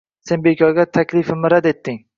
Sen bekorga taklifimni rad etding.